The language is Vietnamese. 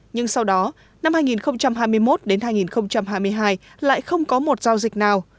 nhưng sau đó năm hai nghìn hai mươi một đến hai nghìn hai mươi hai lại không có một giao dịch nào